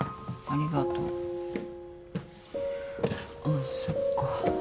ああそっか。